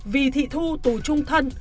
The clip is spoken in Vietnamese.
vì thị thu tù chung thân